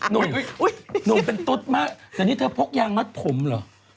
นุ่มเป็นตดมากอันนี้เธอพกยางมัดผมเหรอ